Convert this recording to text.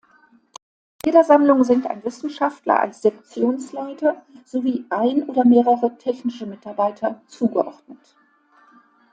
Jeder Sammlung sind ein Wissenschaftler als Sektionsleiter sowie ein oder mehrere technische Mitarbeiter zugeordnet.